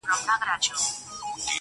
د عکسونو اخیستل او د غزل راتلل وه: -